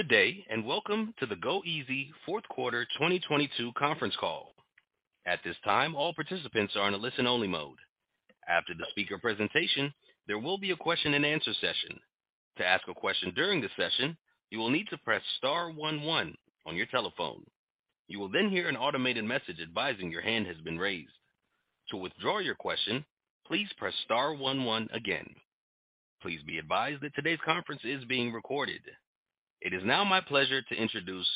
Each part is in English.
Good day, and welcome to the goeasy Q4 2022 conference call. At this time, all participants are in a listen-only mode. After the speaker presentation, there will be a question-and-answer session. To ask a question during the session, you will need to press star one one on your telephone. You will then hear an automated message advising your hand has been raised. To withdraw your question, please press star one one again. Please be advised that today's conference is being recorded. It is now my pleasure to introduce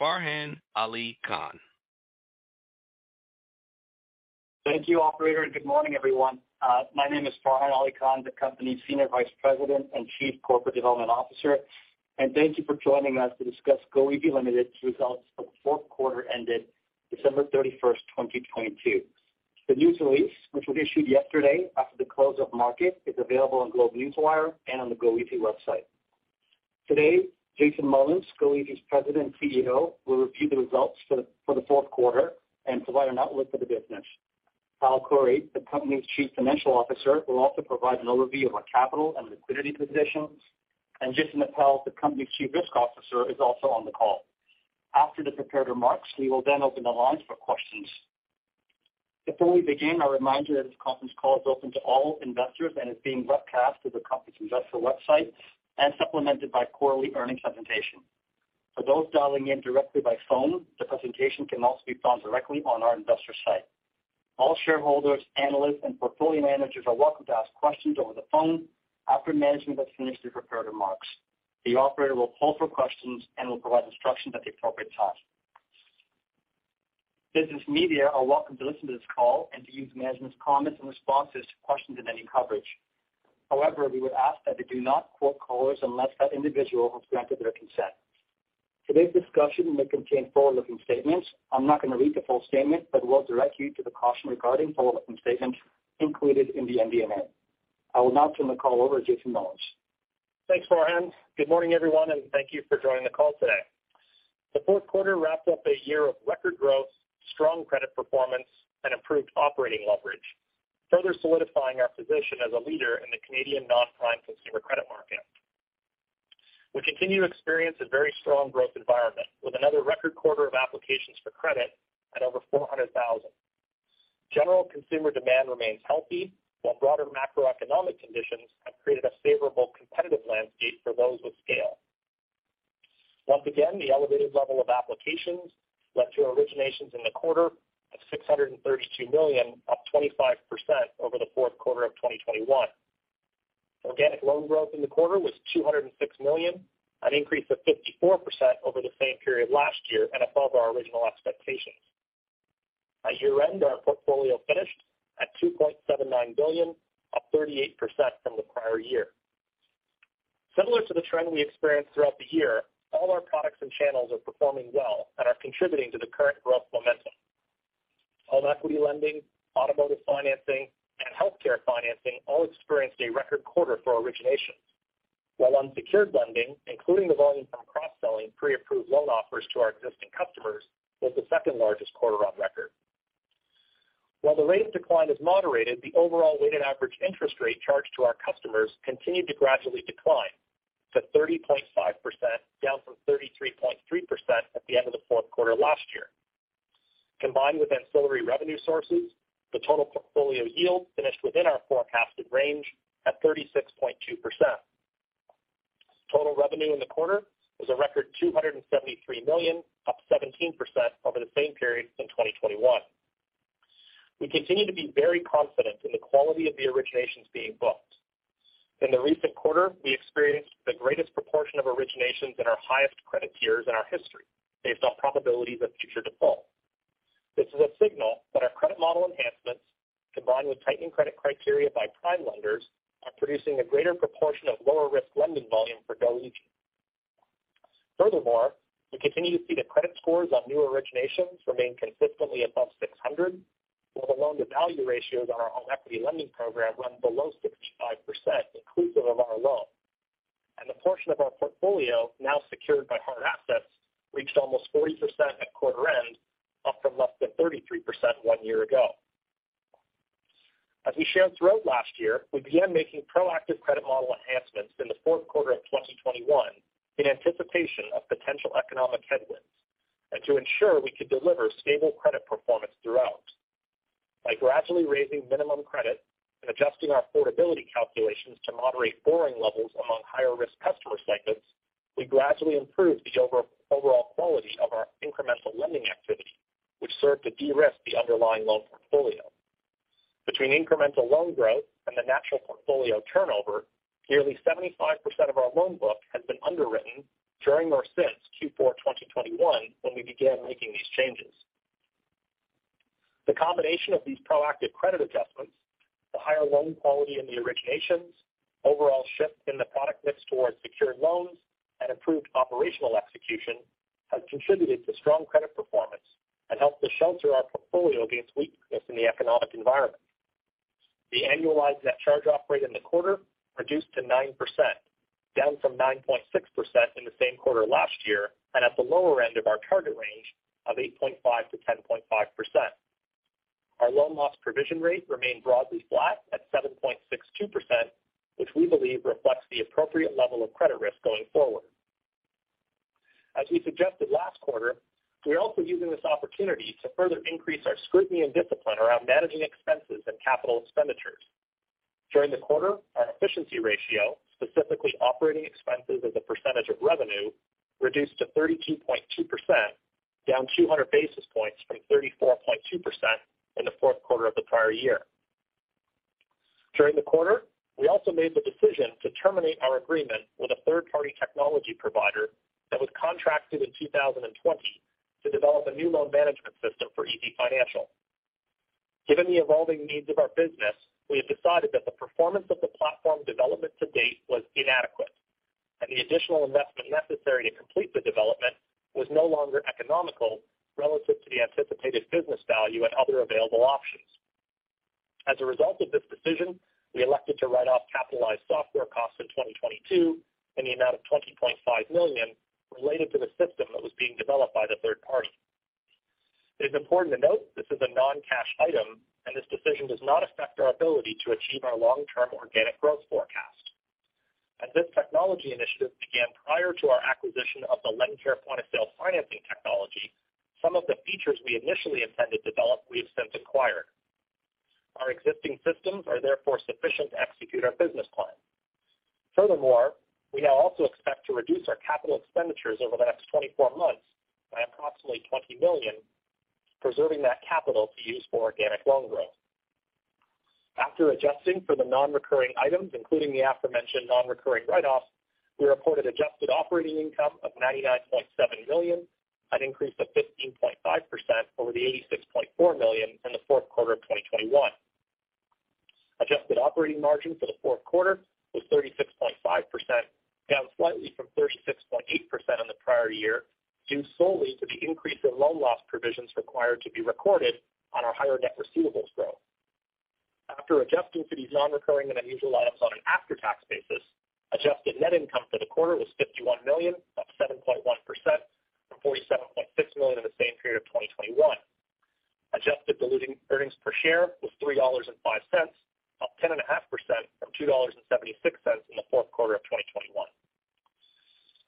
Farhan Ali Khan. Thank you, operator, good morning, everyone. My name is Farhan Ali Khan, the company's Senior Vice President and Chief Corporate Development Officer. Thank you for joining us to discuss goeasy Ltd.'s results for the Q4 ended December 31st, 2022. The news release, which was issued yesterday after the close of market, is available on GlobeNewswire and on the goeasy website. Today, Jason Mullins, goeasy's President and CEO, will review the results for the Q4 and provide an outlook for the business. Hal Khouri, the company's Chief Financial Officer, will also provide an overview of our capital and liquidity positions. Jason Appel, the company's Chief Risk Officer, is also on the call. After the prepared remarks, we will then open the lines for questions. Before we begin, a reminder that this conference call is open to all investors and is being webcast through the company's investor website and supplemented by quarterly earnings presentation. For those dialing in directly by phone, the presentation can also be found directly on our investor site. All shareholders, analysts, and portfolio managers are welcome to ask questions over the phone after management has finished their prepared remarks. The operator will call for questions and will provide instructions at the appropriate time. Business media are welcome to listen to this call and to use management's comments and responses to questions in any coverage. We would ask that they do not quote callers unless that individual has granted their consent. Today's discussion may contain forward-looking statements. I'm not going to read the full statement, but will direct you to the caution regarding forward-looking statements included in the MD&A. I will now turn the call over to Jason Mullins. Thanks, Farhan. Good morning, everyone, and thank you for joining the call today. The Q4 wrapped up a year of record growth, strong credit performance, and improved operating leverage, further solidifying our position as a leader in the Canadian non-prime consumer credit market. We continue to experience a very strong growth environment, with another record quarter of applications for credit at over 400,000. General consumer demand remains healthy, while broader macroeconomic conditions have created a favorable competitive landscape for those with scale. Once again, the elevated level of applications led to originations in the quarter of 632 million, up 25% over the Q4 of 2021. Organic loan growth in the quarter was 206 million, an increase of 54% over the same period last year and above our original expectations. At year-end, our portfolio finished at 2.79 billion, up 38% from the prior year. Similar to the trend we experienced throughout the year, all our products and channels are performing well and are contributing to the current growth momentum. Home equity lending, automotive financing, and healthcare financing all experienced a record quarter for originations. While unsecured lending, including the volume from cross-selling pre-approved loan offers to our existing customers, was the second-largest quarter on record. While the rate of decline has moderated, the overall weighted average interest rate charged to our customers continued to gradually decline to 30.5%, down from 33.3% at the end of the Q4 last year. Combined with ancillary revenue sources, the total portfolio yield finished within our forecasted range at 36.2%. Total revenue in the quarter was a record 273 million, up 17% over the same period in 2021. We continue to be very confident in the quality of the originations being booked. In the recent quarter, we experienced the greatest proportion of originations in our highest credit tiers in our history based on probabilities of future default. This is a signal that our credit model enhancements, combined with tightening credit criteria by prime lenders, are producing a greater proportion of lower-risk lending volume for goeasy. We continue to see the credit scores on new originations remain consistently above 600, while the loan-to-value ratios on our home equity lending program run below 65%, inclusive of our loan. The portion of our portfolio now secured by hard assets reached almost 40% at quarter end, up from less than 33% one year ago. As we shared throughout last year, we began making proactive credit model enhancements in the Q4 of 2021 in anticipation of potential economic headwinds and to ensure we could deliver stable credit performance throughout. By gradually raising minimum credit and adjusting our affordability calculations to moderate borrowing levels among higher-risk customer segments, we gradually improved the overall quality of our incremental lending activity, which served to de-risk the underlying loan portfolio. Between incremental loan growth and the natural portfolio turnover, nearly 75% of our loan book has been underwritten during or since Q4 2021 when we began making these changes. The combination of these proactive credit adjustments, the higher loan quality in the originations, overall shift in the product mix towards secured loans, and improved operational execution, has contributed to strong credit performance and helped to shelter our portfolio against weakness in the economic environment. The annualized net charge-off rate in the quarter reduced to 9%, down from 9.6% in the same quarter last year and at the lower end of our target range of 8.5-10.5%. Our loan loss provision rate remained broadly flat at 7.62%, which we believe reflects the appropriate level of credit risk going forward. As we suggested last quarter, we are also using this opportunity to further increase our scrutiny and discipline around managing expenses and capital expenditures. During the quarter, our efficiency ratio, specifically operating expenses as a percentage of revenue, reduced to 32.2%, down 200 basis points from 34.2% in the Q4 of the prior year. During the quarter, we also made the decision to terminate our agreement with a third-party technology provider that was contracted in 2020 to develop a new loan management system for easyfinancial. Given the evolving needs of our business, we have decided that the performance of the platform development to date was inadequate, and the additional investment necessary to complete the development was no longer economical relative to the anticipated business value and other available options. As a result of this decision, we elected to write off capitalized software costs in 2022 in the amount of 20.5 million related to the system that was being developed by the third party. It is important to note this is a non-cash item and this decision does not affect our ability to achieve our long-term organic growth forecast. As this technology initiative began prior to our acquisition of the LendCare point-of-sale financing technology, some of the features we initially intended to develop we have since acquired. Our existing systems are therefore sufficient to execute our business plan. We now also expect to reduce our capital expenditures over the next 24 months by approximately 20 million, preserving that capital to use for organic loan growth. After adjusting for the non-recurring items, including the aforementioned non-recurring write-offs, we reported adjusted operating income of 99.7 million, an increase of 15.5% over the 86.4 million in the Q4 of 2021. Adjusted operating margin for the Q4 was 36.5%, down slightly from 36.8% in the prior year, due solely to the increase in loan loss provisions required to be recorded on our higher net receivables growth. After adjusting for these non-recurring and unusual items on an after-tax basis, adjusted net income for the quarter was 51 million, up 7.1% from 47.6 million in the same period of 2021. Adjusted diluting earnings per share was 3.05 dollars, up 10.5% from 2.76 dollars in the Q4 of 2021.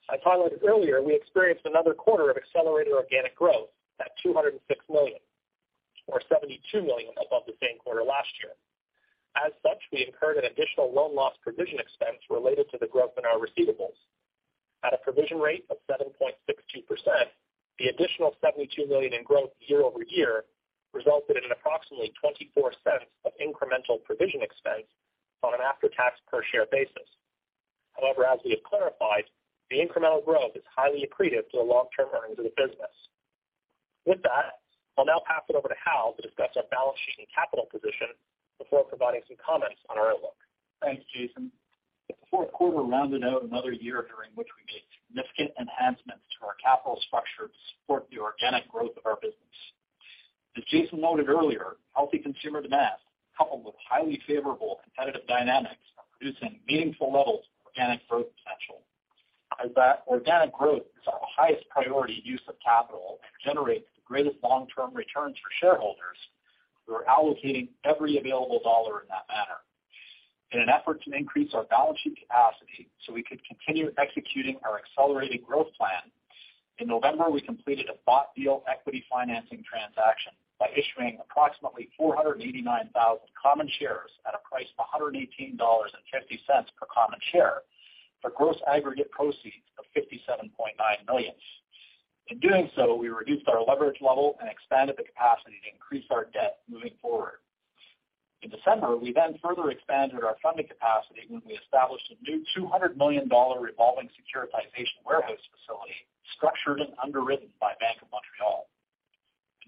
I highlighted earlier we experienced another quarter of accelerated organic growth at 206 million or 72 million above the same quarter last year. We incurred an additional loan loss provision expense related to the growth in our receivables. At a provision rate of 7.62%, the additional 72 million in growth year-over-year resulted in an approximately 0.24 of incremental provision expense on an after-tax per share basis. As we have clarified, the incremental growth is highly accretive to the long-term earnings of the business. With that, I'll now pass it over to Ali to discuss our balance sheet and capital position before providing some comments on our outlook. Thanks, Jason. The Q4 rounded out another year during which we made significant enhancements to our capital structure to support the organic growth of our business. As Jason noted earlier, healthy consumer demand, coupled with highly favorable competitive dynamics, are producing meaningful levels of organic growth potential. As that organic growth is our highest priority use of capital and generates the greatest long-term returns for shareholders, we're allocating every available dollar in that manner. In an effort to increase our balance sheet capacity so we could continue executing our accelerated growth plan, in November, we completed a bought deal equity financing transaction by issuing approximately 489,000 common shares at a price of 118.50 dollars per common share for gross aggregate proceeds of 57.9 million. In doing so, we reduced our leverage level and expanded the capacity to increase our debt moving forward. In December, we further expanded our funding capacity when we established a new 200 million dollar revolving securitization warehouse facility structured and underwritten by Bank of Montreal.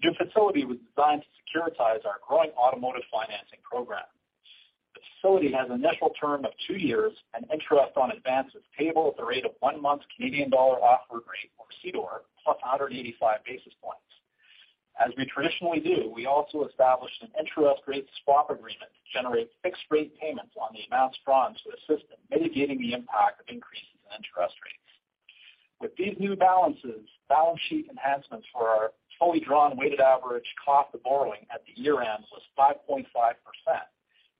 The new facility was designed to securitize our growing automotive financing program. The facility has an initial term of two years and interest on advances payable at the rate of one month's Canadian Dollar Offered Rate or CDOR +185 basis points. As we traditionally do, we also established an interest rate swap agreement to generate fixed rate payments on the amounts drawn to assist in mitigating the impact of increases in interest rates. With these new balances, balance sheet enhancements for our fully drawn weighted average cost of borrowing at the year-end was 5.5%,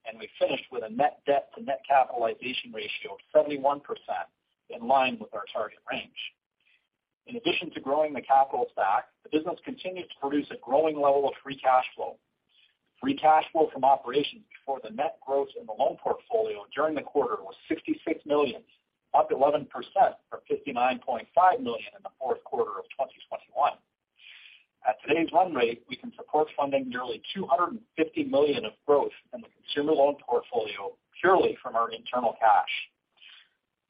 and we finished with a net debt to net capitalization ratio of 71% in line with our target range. In addition to growing the capital stack, the business continued to produce a growing level of free cash flow. Free cash flow from operations before the net growth in the loan portfolio during the quarter was 66 million, up 11% from 59.5 million in the Q4 of 2021. At today's run rate, we can support funding nearly 250 million of growth in the consumer loan portfolio purely from our internal cash.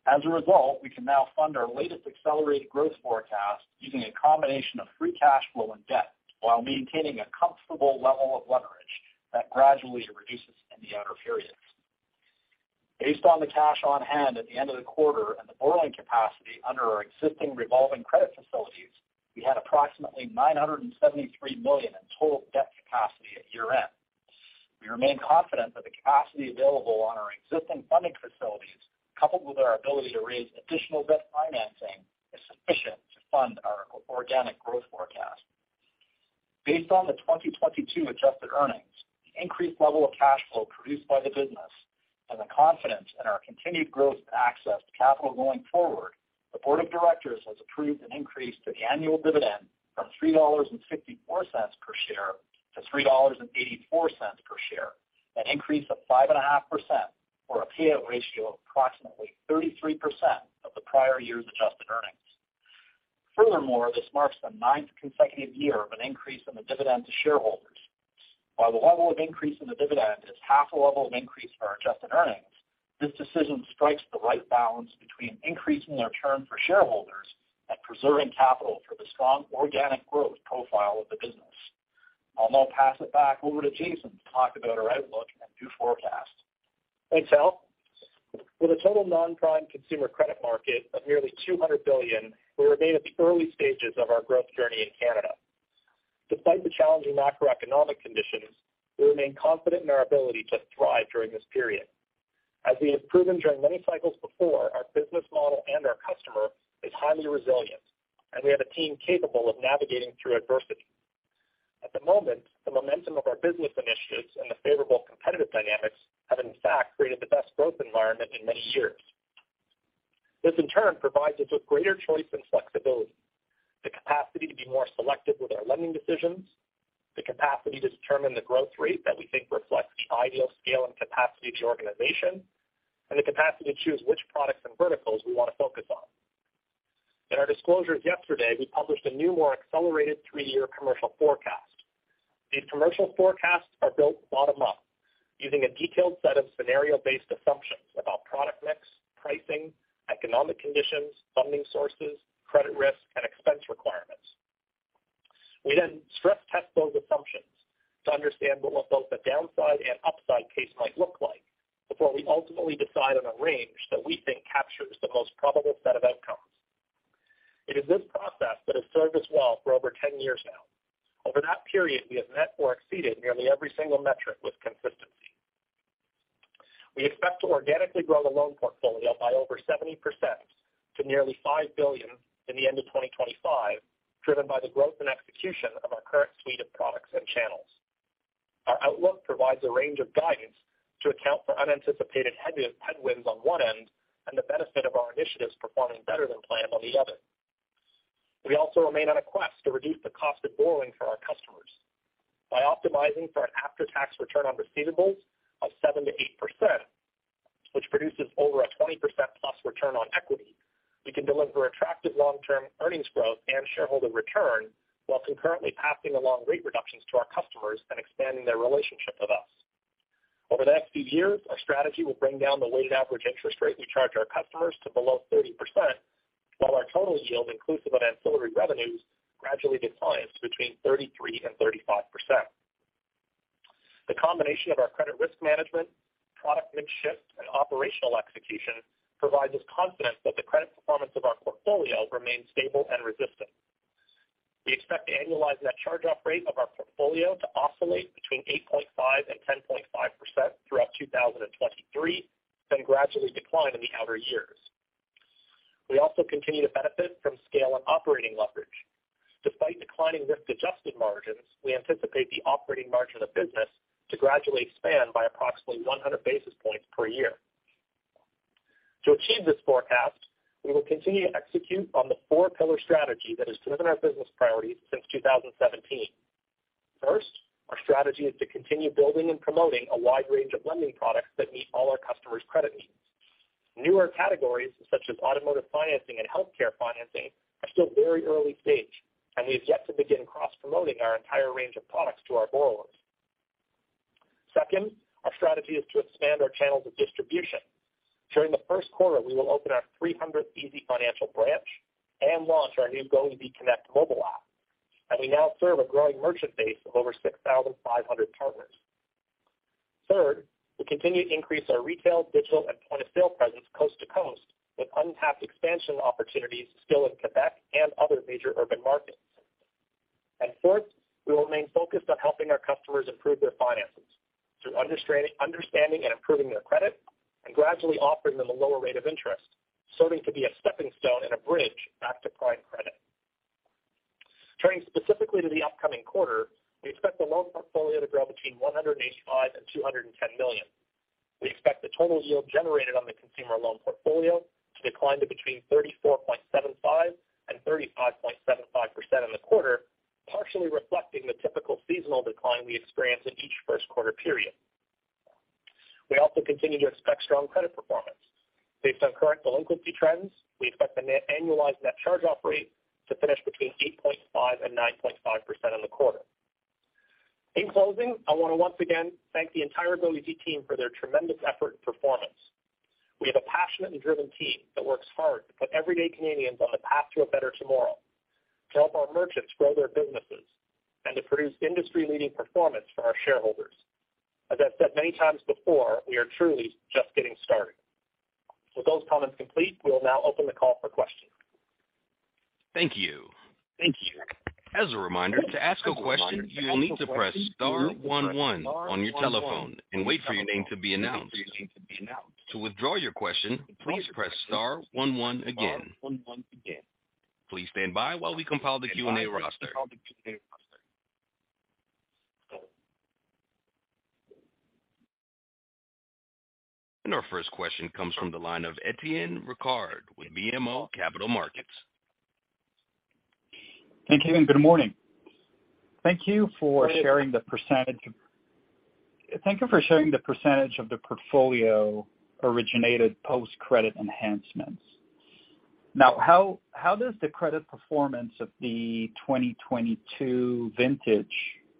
As a result, we can now fund our latest accelerated growth forecast using a combination of free cash flow and debt while maintaining a comfortable level of leverage that gradually reduces in the outer periods. Based on the cash on hand at the end of the quarter and the borrowing capacity under our existing revolving credit facilities, we had approximately 973 million in total debt capacity at year-end. We remain confident that the capacity available on our existing funding facilities, coupled with our ability to raise additional debt financing, is sufficient to fund our organic growth forecast. Based on the 2022 adjusted earnings, the increased level of cash flow produced by the business, and the confidence in our continued growth and access to capital going forward, the board of directors has approved an increase to the annual dividend from 3.54 dollars per share to 3.84 dollars per share, an increase of 5.5% or a payout ratio of approximately 33% of the prior year's adjusted earnings. Furthermore, this marks the 9th consecutive year of an increase in the dividend to shareholders. While the level of increase in the dividend is half the level of increase in our adjusted earnings, this decision strikes the right balance between increasing our return for shareholders and preserving capital for the strong organic growth profile of the business. I'll now pass it back over to Jason to talk about our outlook and new forecast. Thanks, Ali. With a total non-prime consumer credit market of nearly 200 billion, we remain at the early stages of our growth journey in Canada. Despite the challenging macroeconomic conditions, we remain confident in our ability to thrive during this period. As we have proven during many cycles before, our business model and our customer is highly resilient, and we have a team capable of navigating through adversity. At the moment, the momentum of our business initiatives and the favorable competitive dynamics have, in fact, created the best growth environment in many years. This, in turn, provides us with greater choice and flexibility, the capacity to be more selective with our lending decisions, the capacity to determine the growth rate that we think reflects the ideal scale and capacity of the organization, and the capacity to choose which products and verticals we want to focus on. In our disclosures yesterday, we published a new, more accelerated three-year commercial forecast. These commercial forecasts are built bottom up using a detailed set of scenario-based assumptions about product mix, pricing, economic conditions, funding sources, credit risk, and expense requirements. We then stress test those assumptions to understand what both the downside and upside case might look like before we ultimately decide on a range that we think captures the most probable set of outcomes. It is this process that has served us well for over 10 years now. Over that period, we have met or exceeded nearly every single metric with consistency. We expect to organically grow the loan portfolio by over 70% to nearly 5 billion in the end of 2025, driven by the growth and execution of our current suite of products and channels. Our outlook provides a range of guidance to account for unanticipated headwinds on one end and the benefit of our initiatives performing better than planned on the other. We also remain on a quest to reduce the cost of borrowing for our customers. By optimizing for an after-tax return on receivables of 7% to 8%, which produces over a 20%+ return on equity, we can deliver attractive long-term earnings growth and shareholder return while concurrently passing along rate reductions to our customers and expanding their relationship with us. Over the next few years, our strategy will bring down the weighted average interest rate we charge our customers to below 30%, while our total yield inclusive of ancillary revenues gradually declines between 33% and 35%. The combination of our credit risk management, product mix shift, and operational execution provides us confidence that the credit performance of our portfolio remains stable and resistant. We expect the annualized net charge-off rate of our portfolio to oscillate between 8.5% and 10.5% throughout 2023, gradually decline in the outer years. We also continue to benefit from scale and operating leverage. Despite declining risk-adjusted margins, we anticipate the operating margin of business to gradually expand by approximately 100 basis points per year. To achieve this forecast, we will continue to execute on the four-pillar strategy that has driven our business priorities since 2017. First, our strategy is to continue building and promoting a wide range of lending products that meet all our customers' credit needs. Newer categories, such as automotive financing and healthcare financing, are still very early stage, and we have yet to begin cross-promoting our entire range of products to our borrowers. Second, our strategy is to expand our channels of distribution. During the Q1, we will open our 300th easyfinancial branch and launch our new goeasy Connect mobile app. We now serve a growing merchant base of over 6,500 partners. Third, we continue to increase our retail, digital, and point-of-sale presence coast to coast, with untapped expansion opportunities still in Quebec and other major urban markets. Fourth, we will remain focused on helping our customers improve their finances through understanding and improving their credit and gradually offering them a lower rate of interest, serving to be a stepping stone and a bridge back to prime credit. Turning specifically to the upcoming quarter, we expect the loan portfolio to grow between $185 million and $210 million. We expect the total yield generated on the consumer loan portfolio to decline to between 34.75% and 35.75% in the quarter, partially reflecting the typical seasonal decline we experience in each Q1 period. We also continue to expect strong credit performance. Based on current delinquency trends, we expect the annualized net charge-off rate to finish between 8.5% and 9.5% in the quarter. In closing, I want to once again thank the entire goeasy team for their tremendous effort and performance. We have a passionate and driven team that works hard to put everyday Canadians on the path to a better tomorrow, to help our merchants grow their businesses, and to produce industry-leading performance for our shareholders. As I've said many times before, we are truly just getting started. With those comments complete, we'll now open the call for questions. Thank you. Thank you. As a reminder, to ask a question, you will need to press star one one on your telephone and wait for your name to be announced. To withdraw your question, please press star one one again. Please stand by while we compile the Q&A roster. Our first question comes from the line of Etienne Ricard with BMO Capital Markets. Thank you. Good morning. Thank you for sharing the percentage of the portfolio originated post credit enhancements. How does the credit performance of the 2022 vintage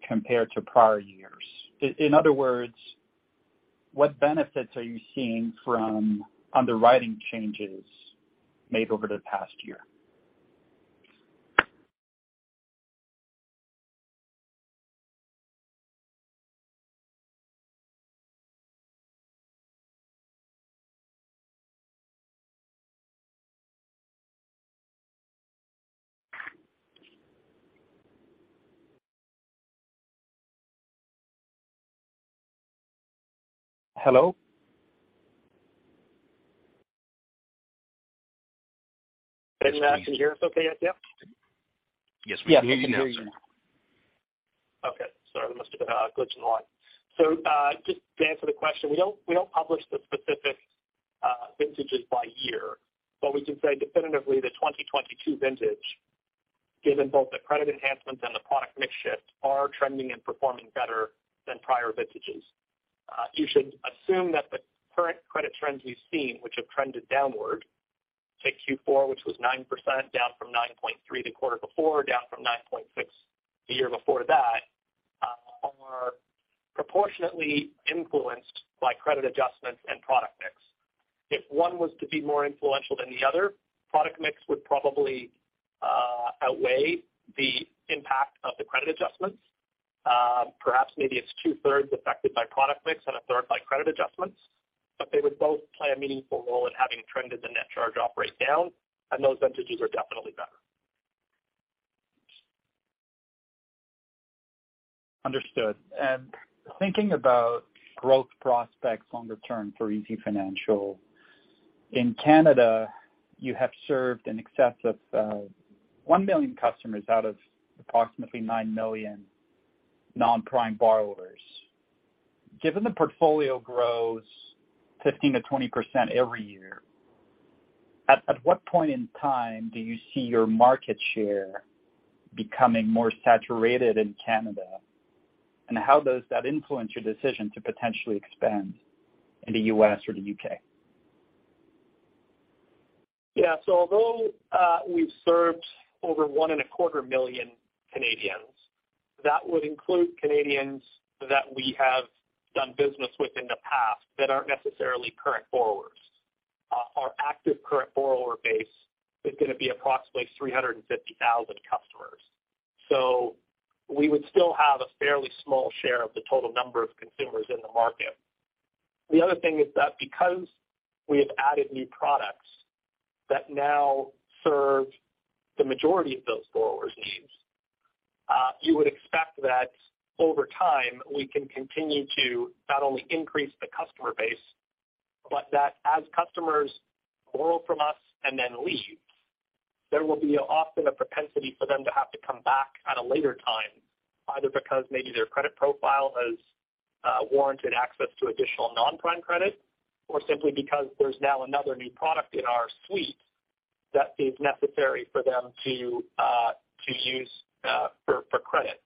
compare to prior years? In other words, what benefits are you seeing from underwriting changes made over the past year? Hello. Etienne, can you hear us okay, yeah Yes, we can hear you now. Okay. Sorry, there must have been a glitch in the line. Just to answer the question, we don't, we don't publish the specific vintages by year. We can say definitively the 2022 vintage, given both the credit enhancements and the product mix shift, are trending and performing better than prior vintages. You should assume that the current credit trends we've seen, which have trended downward to Q4, which was 9% down from 9.3% the quarter before, down from 9.6% the year before that, are proportionately influenced by credit adjustments and product mix. If one was to be more influential than the other, product mix would probably outweigh the impact of the credit adjustments. Perhaps maybe it's 2/3 affected by product mix and a third by credit adjustments. They would both play a meaningful role in having trended the net charge-off rate down, and those vintages are definitely better. Understood. Thinking about growth prospects longer term for easyfinancial. In Canada, you have served in excess of 1 million customers out of approximately 9 million non-prime borrowers. Given the portfolio grows 15% to 20% every year, at what point in time do you see your market share becoming more saturated in Canada? How does that influence your decision to potentially expand in the U.S. or the U.K.? Yeah. Although, we've served over one and a 250,000 million, that would include Canadians that we have done business with in the past that aren't necessarily current borrowers. Our active current borrower base is gonna be approximately 350,000 customers. We would still have a fairly small share of the total number of consumers in the market. The other thing is that because we have added new products that now serve the majority of those borrowers' needs, you would expect that over time, we can continue to not only increase the customer base, but that as customers borrow from us and then leave, there will be often a propensity for them to have to come back at a later time, either because maybe their credit profile has warranted access to additional non-prime credit or simply because there's now another new product in our suite that is necessary for them to use for credit.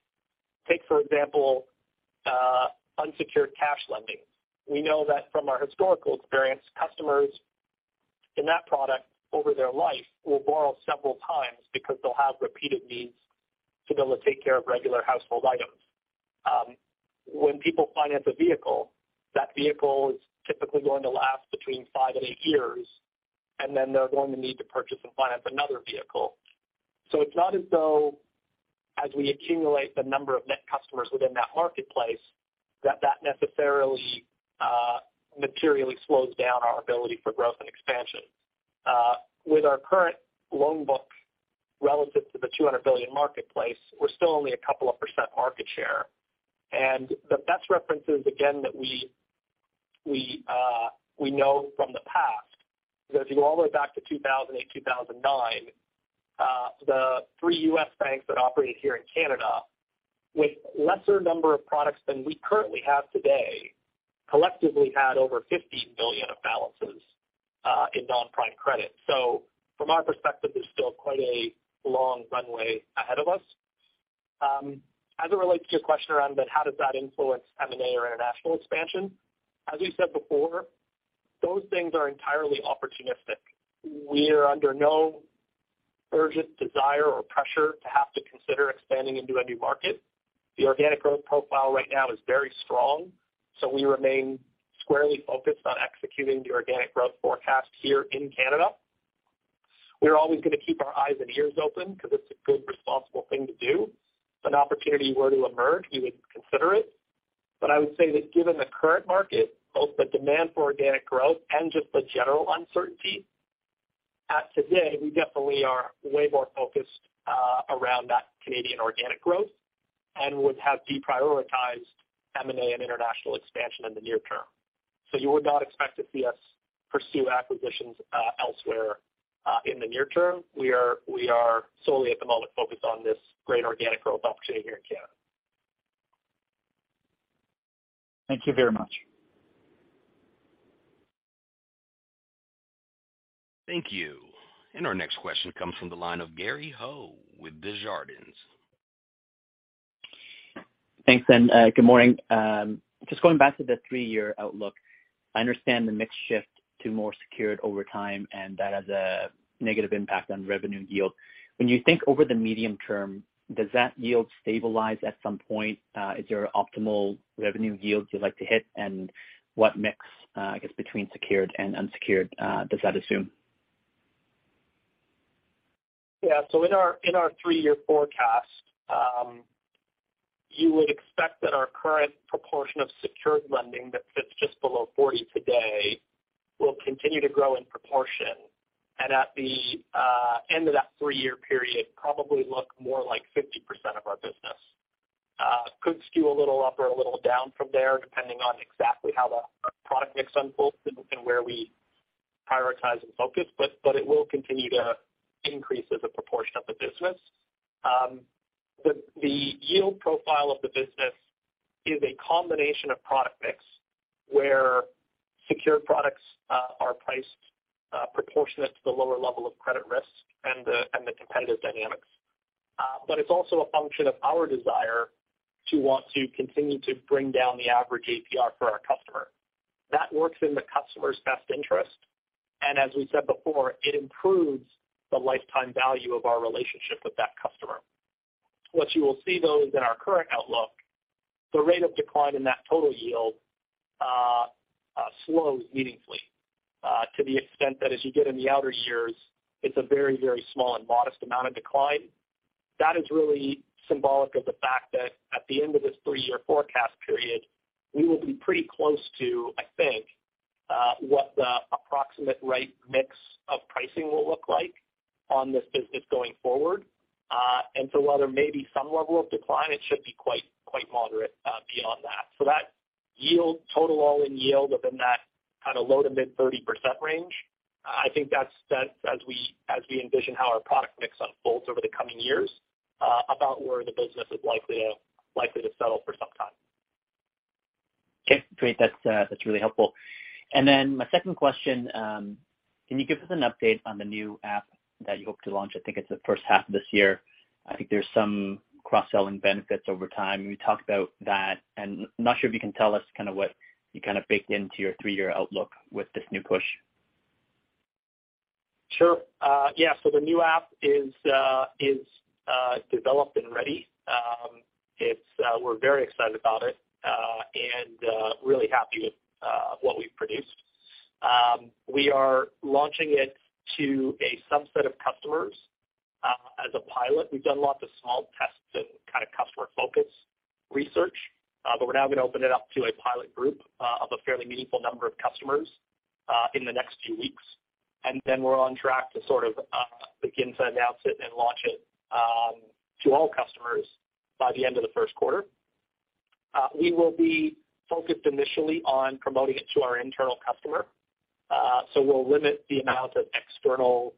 Take, for example, unsecured cash lending. We know that from our historical experience, customers in that product over their life will borrow several times because they'll have repeated needs to be able to take care of regular household items. When people finance a vehicle, that vehicle is typically going to last between five and eight years, and then they're going to need to purchase and finance another vehicle. It's not as though as we accumulate the number of net customers within that marketplace, that that necessarily materially slows down our ability for growth and expansion. With our current loan book relative to the 200 billion marketplace, we're still only a couple of persentage market share. The best reference is again that we know from the past. If you go all the way back to 2008, 2009, the three U.S. banks that operate here in Canada with lesser number of products than we currently have today, collectively had over 50 billion of balances in non-prime credit. From our perspective, there's still quite a long runway ahead of us. As it relates to your question around the how does that influence M&A or international expansion, as we said before, those things are entirely opportunistic. We're under no urgent desire or pressure to have to consider expanding into a new market. The organic growth profile right now is very strong, so we remain squarely focused on executing the organic growth forecast here in Canada. We're always gonna keep our eyes and ears open because it's a good, responsible thing to do. If an opportunity were to emerge, we would consider it. I would say that given the current market, both the demand for organic growth and just the general uncertainty, as today we definitely are way more focused around that Canadian organic growth and would have deprioritized M&A and international expansion in the near term. You would not expect to see us pursue acquisitions, elsewhere, in the near term. We are solely at the moment focused on this great organic growth opportunity here in Canada. Thank you very much. Thank you. Our next question comes from the line of Gary Ho with Desjardins. Thanks, and good morning. Just going back to the three-year outlook. I understand the mix shift to more secured over time, and that has a negative impact on revenue yield. When you think over the medium term, does that yield stabilize at some point? Is there optimal revenue yield you'd like to hit? What mix, I guess between secured and unsecured, does that assume? In our three-year forecast, you would expect that our current proportion of secured lending that sits just below 40 today will continue to grow in proportion. At the end of that three-year period, probably look more like 50% of our business. Could skew a little up or a little down from there, depending on exactly how our product mix unfolds and where we prioritize and focus, but it will continue to increase as a proportion of the business. The yield profile of the business is a combination of product mix, where secured products are priced proportionate to the lower level of credit risk and the competitive dynamics. It's also a function of our desire to want to continue to bring down the average APR for our customer. That works in the customer's best interest, and as we said before, it improves the lifetime value of our relationship with that customer. What you will see though is in our current outlook, the rate of decline in that total yield slows meaningfully to the extent that as you get in the outer years, it's a very, very small and modest amount of decline. That is really symbolic of the fact that at the end of this three-year forecast period, we will be pretty close to, I think, what the approximate right mix of pricing will look like on this business going forward. While there may be some level of decline, it should be quite moderate beyond that. That yield, total all-in yield within that kind of low to mid 30% range, I think that's as we envision how our product mix unfolds over the coming years, about where the business is likely to settle for some time. Okay, great. That's, that's really helpful. Then my second question, can you give us an update on the new app that you hope to launch? I think it's the first half of this year. I think there's some cross-selling benefits over time. You talked about that, and I'm not sure if you can tell us kinda what you baked into your three-year outlook with this new push. Sure. Yeah. The new app is developed and ready. It's, we're very excited about it, and really happy with what we've produced. We are launching it to a subset of customers as a pilot. We've done lots of small tests and kind of customer focus research, we're now gonna open it up to a pilot group of a fairly meaningful number of customers in the next few weeks. We're on track to sort of begin to announce it and launch it to all customers by the end of the Q1. We will be focused initially on promoting it to our internal customer. We'll limit the amount of external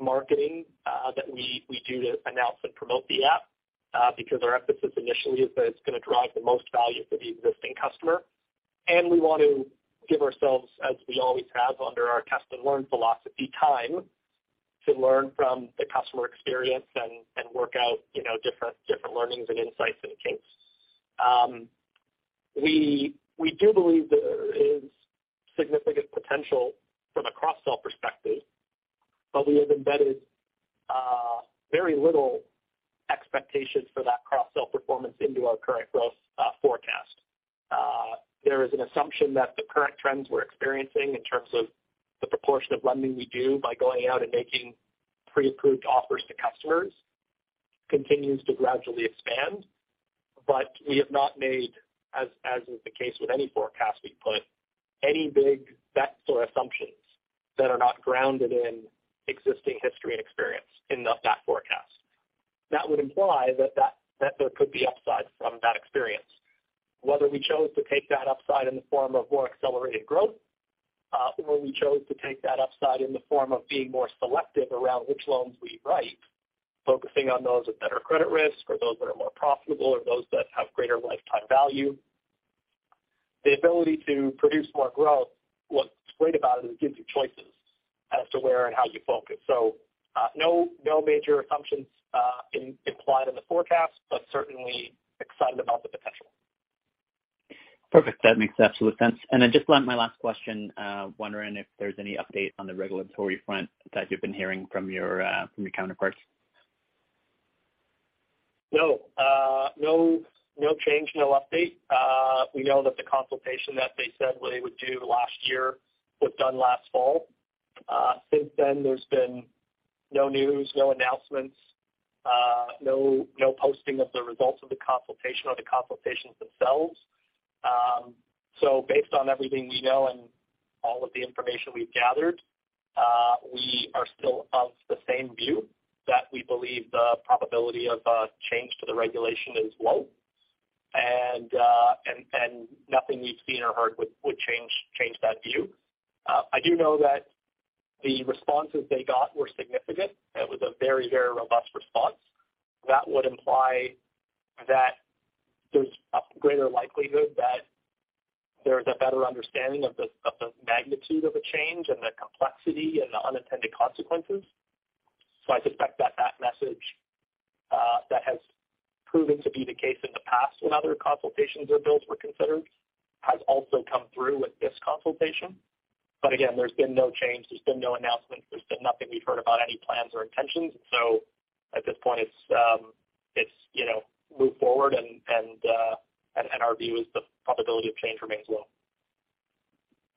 marketing that we do to announce and promote the app because our emphasis initially is that it's gonna drive the most value for the existing customer. We want to give ourselves, as we always have under our test and learn philosophy, time to learn from the customer experience and work out, you know, different learnings and insights that it takes. We do believe there is significant potential from a cross-sell perspective, but we have embedded very little expectations for that cross-sell performance into our current growth forecast. There is an assumption that the current trends we're experiencing in terms of the proportion of lending we do by going out and making pre-approved offers to customers continues to gradually expand. We have not made, as is the case with any forecast we put, any big bets or assumptions that are not grounded in existing history and experience in that forecast. That would imply that there could be upsides from that experience. Whether we chose to take that upside in the form of more accelerated growth, or we chose to take that upside in the form of being more selective around which loans we write, focusing on those with better credit risk or those that are more profitable or those that have greater lifetime value. The ability to produce more growth, what's great about it is it gives you choices as to where and how you focus. No major assumptions implied in the forecast, but certainly excited about the potential. Perfect. That makes absolute sense. Just my last question, wondering if there's any update on the regulatory front that you've been hearing from your counterparts. No, no change, no update. We know that the consultation that they said they would do last year was done last fall. Since then, there's been no news, no announcements, no posting of the results of the consultation or the consultations themselves. Based on everything we know and all of the information we've gathered, we are still of the same view that we believe the probability of a change to the regulation is low, and nothing we've seen or heard would change that view. I do know that the responses they got were significant. It was a very robust response that would imply that there's a greater likelihood that there is a better understanding of the magnitude of a change and the complexity and the unintended consequences. I suspect that that message that has proven to be the case in the past when other consultations or bills were considered has also come through with this consultation. Again, there's been no change, there's been no announcements. There's been nothing we've heard about any plans or intentions. At this point it's, you know, move forward and our view is the probability of change remains low.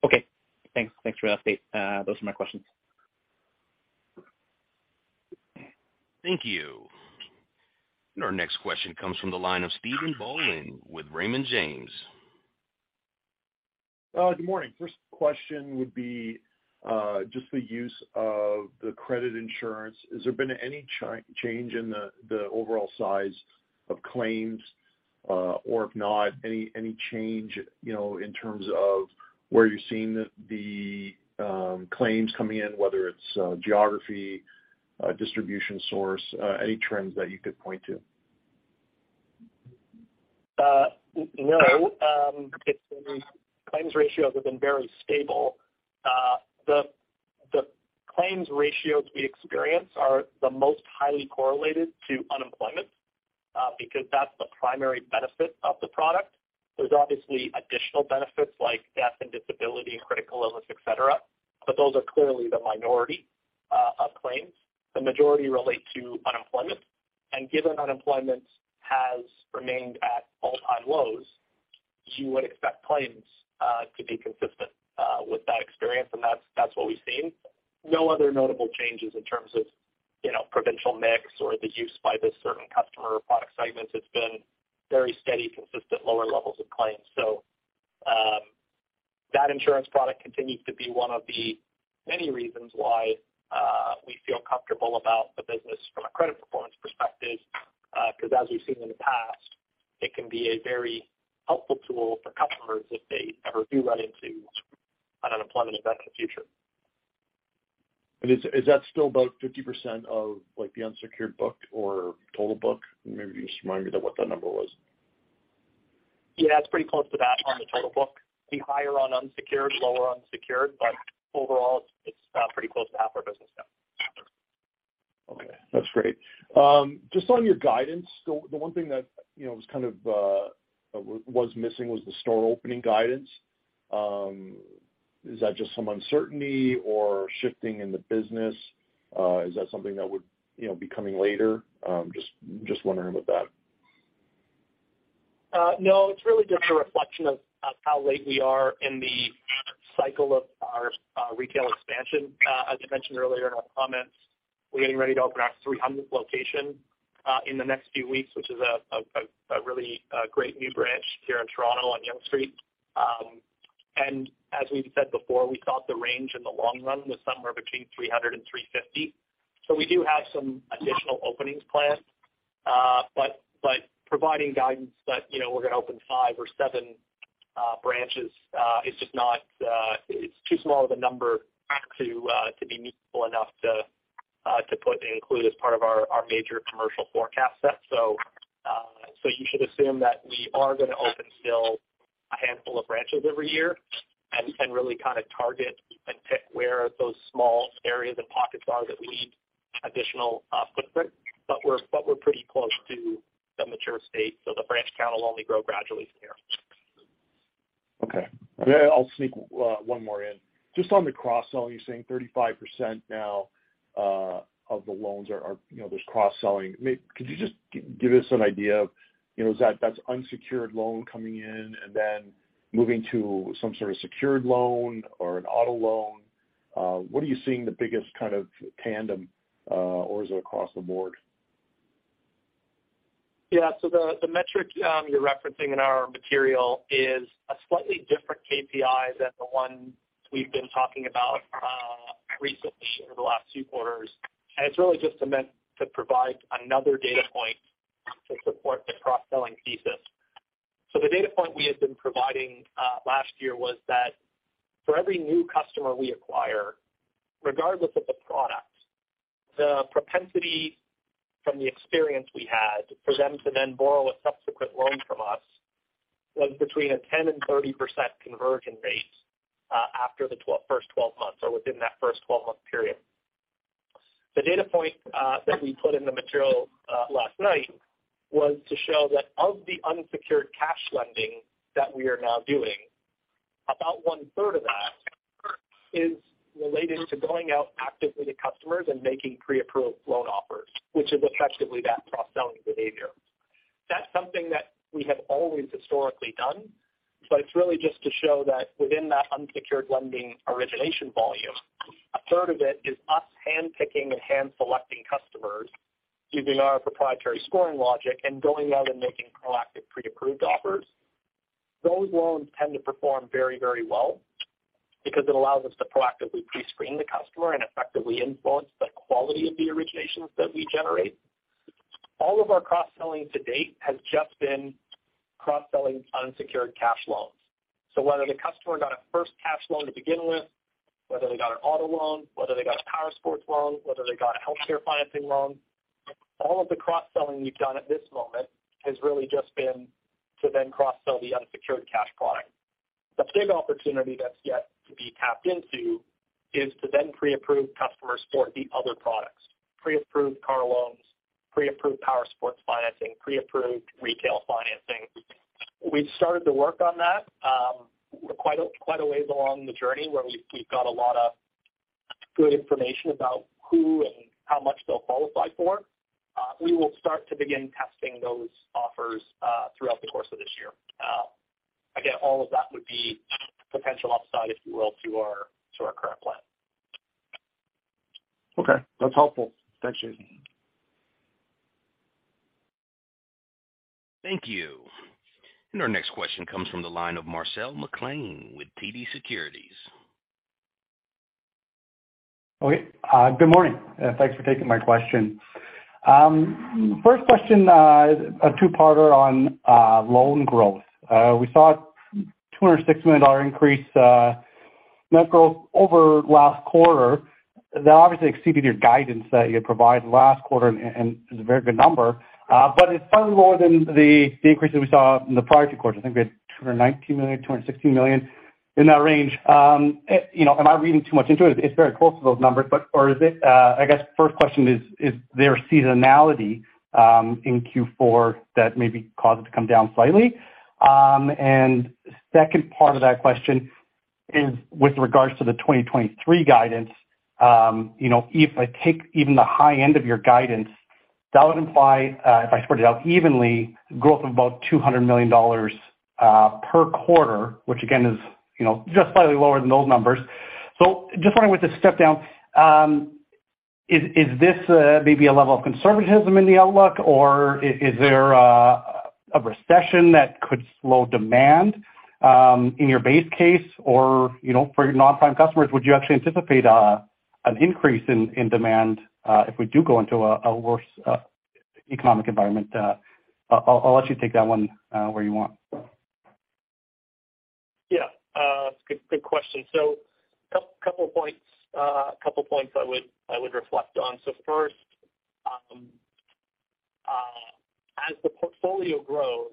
Okay. Thanks. Thanks for the update. Those are my questions. Thank you. Our next question comes from the line of Stephen Boland with Raymond James. Good morning. First question would be, just the use of the credit insurance. Has there been any change in the overall size of claims, or if not, any change, you know, in terms of where you're seeing the claims coming in, whether it's geography, distribution source, any trends that you could point to? No. It's been Claims ratios have been very stable. The claims ratios we experience are the most highly correlated to unemployment, because that's the primary benefit of the product. There's obviously additional benefits like death and disability and critical illness, et cetera, but those are clearly the minority of claims. The majority relate to unemployment. Given unemployment has remained at all-time lows, you would expect claims to be consistent with that experience. That's what we've seen. No other notable changes in terms of, you know, provincial mix or the use by the certain customer or product segments. It's been very steady, consistent, lower levels of claims. That insurance product continues to be one of the many reasons why we feel comfortable about the business from a credit performance perspective, because as we've seen in the past, it can be a very helpful tool for customers if they ever do run into an unemployment event in the future. Is that still about 50% of like the unsecured book or total book? Maybe just remind me what that number was. Yeah, it's pretty close to that on the total book. Be higher on unsecured, lower on secured, but overall it's pretty close to half our business now. Okay, that's great. Just on your guidance, the one thing that, you know, was kind of missing was the store opening guidance. Is that just some uncertainty or shifting in the business? Is that something that would, you know, be coming later? Just wondering about that. No, it's really just a reflection of how late we are in the cycle of our retail expansion. As I mentioned earlier in our comments, we're getting ready to open our 300th location in the next few weeks, which is a really great new branch here in Toronto on Yonge Street. As we've said before, we thought the range in the long run was somewhere between 300 and 350. We do have some additional openings planned. Providing guidance that, you know, we're gonna open 5 or 7 branches is just not. It's too small of a number to be meaningful enough to put and include as part of our major commercial forecast set. you should assume that we are gonna open still a handful of branches every year and really kind of target and pick where those small areas and pockets are that we need additional footprint. we're pretty close to the mature state, so the branch count will only grow gradually from here. Okay. I'll sneak one more in. Just on the cross-sell, you're saying 35% now of the loans are, you know, there's cross-selling. Could you just give us an idea of, you know, That's unsecured loan coming in and then moving to some sort of secured loan or an auto loan? What are you seeing the biggest kind of tandem, or is it across the board? Yeah. The, the metric you're referencing in our material is a slightly different KPI than the one we've been talking about recently over the last few quarters. It's really just meant to provide another data point to support the cross-selling thesis. The data point we had been providing last year was that for every new customer we acquire, regardless of the product, the propensity from the experience we had for them to then borrow a subsequent loan from us was between a 10% and 30% conversion rate after the first 12 months or within that first 12-month period. The data point that we put in the material last night was to show that of the unsecured cash lending that we are now doing, about 1/3 of that is related to going out actively to customers and making pre-approved loan offers, which is effectively that cross-selling behavior. Something that we have always historically done, but it's really just to show that within that unsecured lending origination volume, a third of it is us handpicking and hand selecting customers using our proprietary scoring logic and going out and making proactive pre-approved offers. Those loans tend to perform very, very well because it allows us to proactively pre-screen the customer and effectively influence the quality of the originations that we generate. All of our cross-selling to date has just been cross-selling unsecured cash loans. Whether the customer got a first cash loan to begin with, whether they got an auto loan, whether they got a power sports loan, whether they got a healthcare financing loan, all of the cross-selling we've done at this moment has really just been to then cross-sell the unsecured cash product. The big opportunity that's yet to be tapped into is to then pre-approve customers for the other products. Pre-approved car loans, pre-approved power sports financing, pre-approved retail financing. We've started to work on that. We're quite a ways along the journey where we've got a lot of good information about who and how much they'll qualify for. We will start to begin testing those offers throughout the course of this year. Again, all of that would be potential upside, if you will, to our current plan. Okay. That's helpful. Thank you. Thank you. Our next question comes from the line of Marcel McLean with TD Securities. Okay. Good morning, and thanks for taking my question. First question, a two-parter on loan growth. We saw 260 million dollar increase, net growth over last quarter. That obviously exceeded your guidance that you had provided last quarter and is a very good number. It's slightly lower than the increase that we saw in the prior two quarters. I think we had 219 million, 216 million in that range. You know, am I reading too much into it? It's very close to those numbers. Is it I guess first question is there seasonality in Q4 that maybe caused it to come down slightly? Second part of that question is with regards to the 2023 guidance, you know, if I take even the high end of your guidance, that would imply, if I spread it out evenly, growth of about 200 million dollars per quarter, which again is, you know, just slightly lower than those numbers. Just wondering what this step down is this, maybe a level of conservatism in the outlook or is there a recession that could slow demand in your base case? You know, for your non-prime customers, would you actually anticipate an increase in demand if we do go into a worse economic environment? I'll let you take that one where you want. Yeah. It's a good question. Couple of points. A couple points I would reflect on. First, as the portfolio grows,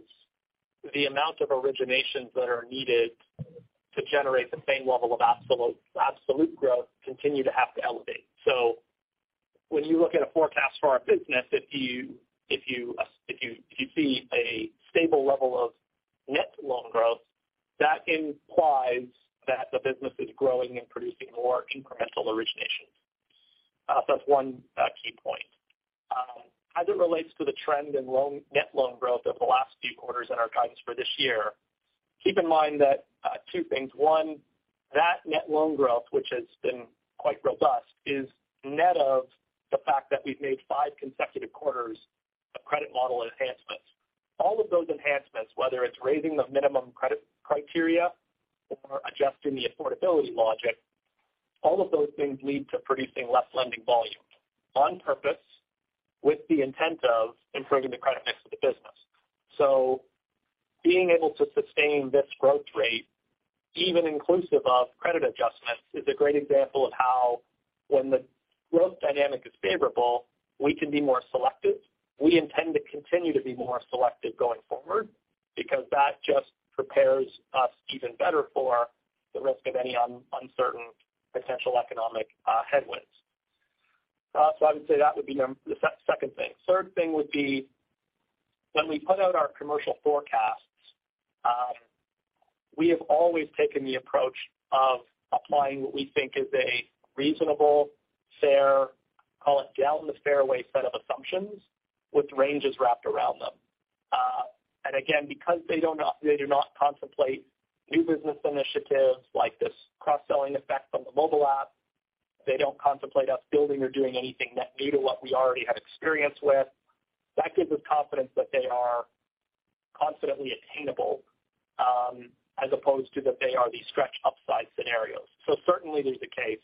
the amount of originations that are needed to generate the same level of absolute growth continue to have to elevate. When you look at a forecast for our business, if you see a stable level of net loan growth, that implies that the business is growing and producing more incremental originations. That's one key point. As it relates to the trend in net loan growth over the last few quarters and our guidance for this year, keep in mind that two things. one, that net loan growth, which has been quite robust, is net of the fact that we've made five consecutive quarters of credit model enhancements. All of those enhancements, whether it's raising the minimum credit criteria or adjusting the affordability logic, all of those things lead to producing less lending volume on purpose with the intent of improving the credit mix of the business. Being able to sustain this growth rate, even inclusive of credit adjustments, is a great example of how when the growth dynamic is favorable, we can be more selective. We intend to continue to be more selective going forward because that just prepares us even better for the risk of any uncertain potential economic headwinds. I would say that would be the second thing. Third thing would be when we put out our commercial forecasts, we have always taken the approach of applying what we think is a reasonable, fair, call it down the fairway set of assumptions with ranges wrapped around them. Again, because they do not contemplate new business initiatives like this cross-selling effect on the mobile app. They don't contemplate us building or doing anything net new to what we already have experience with. That gives us confidence that they are confidently attainable, as opposed to that they are these stretch upside scenarios. Certainly there's a case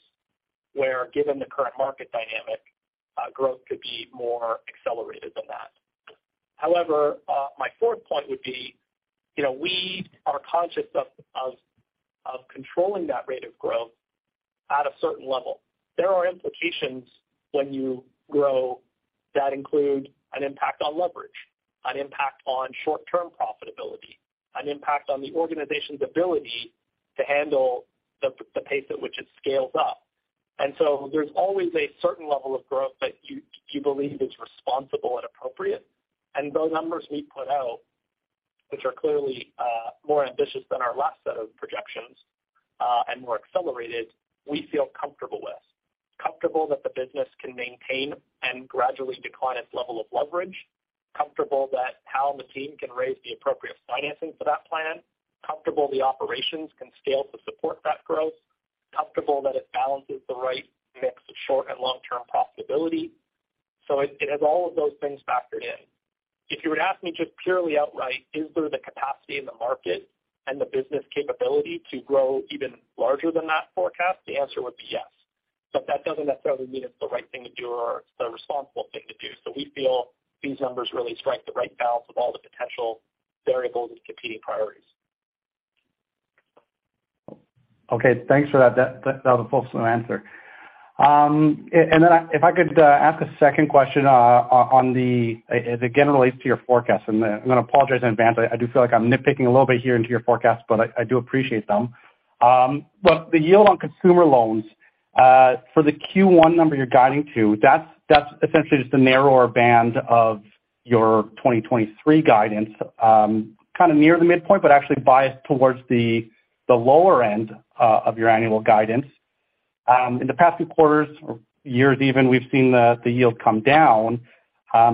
where, given the current market dynamic, growth could be more accelerated than that. My fourth point would be, you know, we are conscious of controlling that rate of growth at a certain level. There are implications when you grow that include an impact on leverage, an impact on short-term profitability, an impact on the organization's ability to handle the pace at which it scales up. There's always a certain level of growth that you believe is responsible and appropriate. Those numbers we put out, which are clearly more ambitious than our last set of projections, and more accelerated, we feel comfortable with. Comfortable that the business can maintain and gradually decline its level of leverage. Comfortable that Hal and the team can raise the appropriate financing for that plan. Comfortable the operations can scale to support that growth. Comfortable that it balances the right mix of short and long-term profitability. It has all of those things factored in. If you were to ask me just purely outright, is there the capacity in the market and the business capability to grow even larger than that forecast? The answer would be yes. That doesn't necessarily mean it's the right thing to do or it's the responsible thing to do. We feel these numbers really strike the right balance of all the potential variables and competing priorities. Okay, thanks for that. That was a fulsome answer. If I could ask a second question. It again relates to your forecast. I'm gonna apologize in advance, I do feel like I'm nitpicking a little bit here into your forecast, I do appreciate them. The yield on consumer loans for the Q1 number you're guiding to, that's essentially just the narrower band of your 2023 guidance. Kind of near the midpoint, but actually biased towards the lower end of your annual guidance. In the past few quarters or years even, we've seen the yield come down.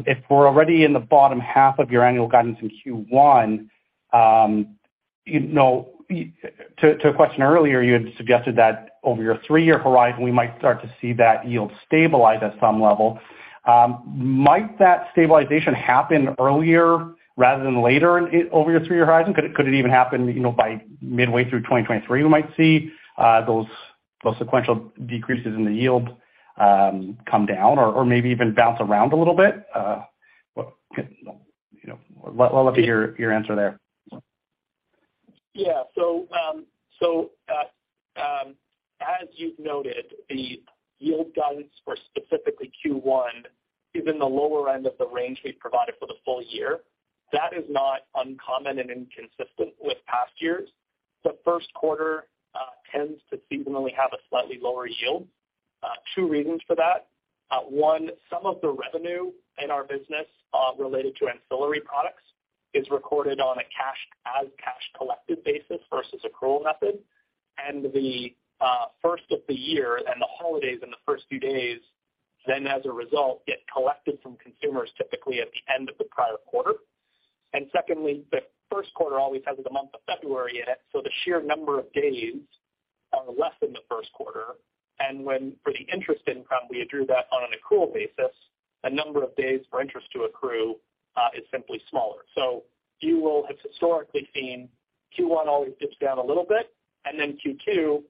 If we're already in the bottom half of your annual guidance in Q1, you know, to a question earlier, you had suggested that over your three-year horizon, we might start to see that yield stabilize at some level. Might that stabilization happen earlier rather than later over your three-year horizon? Could it even happen, you know, by midway through 2023, we might see those sequential decreases in the yield come down or maybe even bounce around a little bit? You know, I'd love to hear your answer there. Yeah. As you've noted, the yield guidance for specifically Q1 is in the lower end of the range we've provided for the full year. That is not uncommon and inconsistent with past years. The Q1 tends to seasonally have a slightly lower yield. Two reasons for that. One, some of the revenue in our business related to ancillary products is recorded on a cash collected basis versus accrual method. The first of the year and the holidays in the first few days, then as a result, get collected from consumers typically at the end of the prior quarter. Secondly, the Q1 always has the month of February in it, so the sheer number of days are less in the Q1. When for the interest income, we accrue that on an accrual basis, a number of days for interest to accrue, is simply smaller. You will have historically seen Q1 always dips down a little bit, and then Q2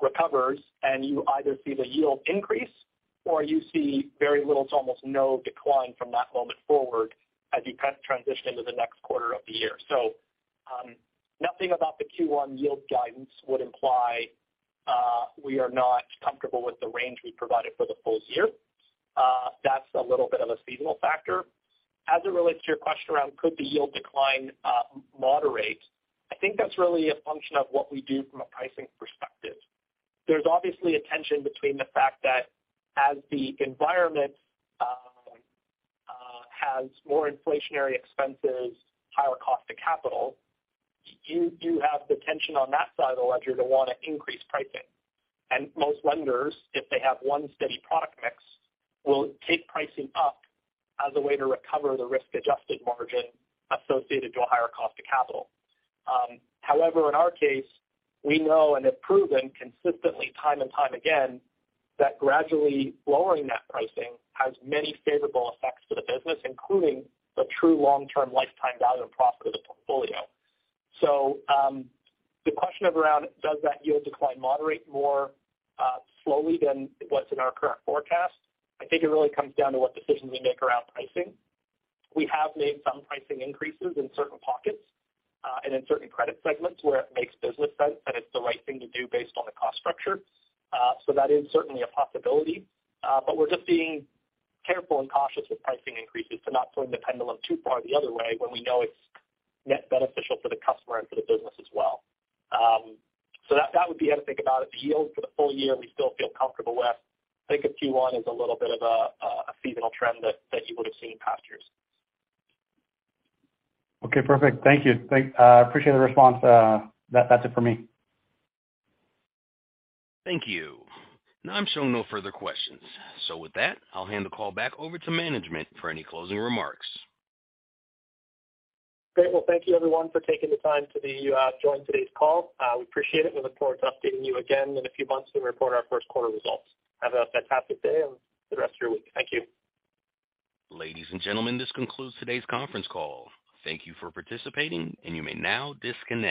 recovers, and you either see the yield increase or you see very little to almost no decline from that moment forward as you kind of transition to the next quarter of the year. Nothing about the Q1 yield guidance would imply we are not comfortable with the range we provided for the full year. That's a little bit of a seasonal factor. As it relates to your question around could the yield decline moderate, I think that's really a function of what we do from a pricing perspective. There's obviously a tension between the fact that as the environment has more inflationary expenses, higher cost to capital, you do have the tension on that side of the ledger to wanna increase pricing. Most lenders, if they have one steady product mix, will take pricing up as a way to recover the risk-adjusted margin associated to a higher cost of capital. However, in our case, we know and have proven consistently time and time again that gradually lowering that pricing has many favorable effects to the business, including the true long-term lifetime value and profit of the portfolio. The question of around does that yield decline moderate more slowly than what's in our current forecast, I think it really comes down to what decisions we make around pricing. We have made some pricing increases in certain pockets, and in certain credit segments where it makes business sense that it's the right thing to do based on the cost structure. That is certainly a possibility. We're just being careful and cautious with pricing increases to not swing the pendulum too far the other way when we know it's net beneficial for the customer and for the business as well. That would be how to think about it. The yield for the full year, we still feel comfortable with. Think of Q1 as a little bit of a seasonal trend that you would've seen in past years. Okay, perfect. Thank you. Appreciate the response. That's it for me. Thank you. Now I'm showing no further questions. With that, I'll hand the call back over to management for any closing remarks. Great. Well, thank you everyone for taking the time to the join today's call. We appreciate it. We look forward to updating you again in a few months when we report our Q1 results. Have a fantastic day and the rest of your week. Thank you. Ladies and gentlemen, this concludes today's conference call. Thank you for participating. You may now disconnect.